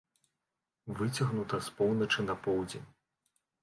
Выцягнута з поўначы на поўдзень.